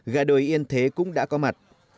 gà đồi yên thế cũng đã có mặt